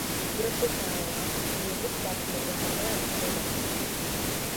Бирок бул талап дээрлик бардык органдарда аткарылбайт.